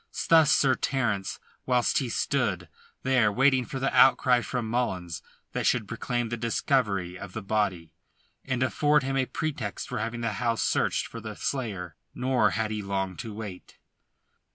Thus Sir Terence whilst he stood there waiting for the outcry from Mullins that should proclaim the discovery of the body, and afford him a pretext for having the house searched for the slayer. Nor had he long to wait.